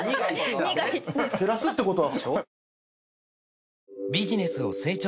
減らすってことは。